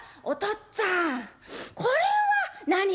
おとっつぁんこれは何？」。